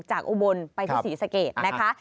อุบลไปที่ศรีสะเกดนะคะ